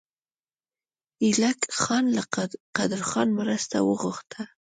ایلک خان له قدرخان مرسته وغوښته.